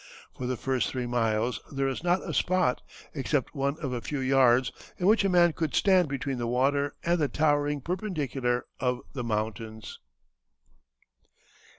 For the first three miles there is not a spot, except one of a few yards, in which a man could stand between the water and the towering perpendicular of the mountains."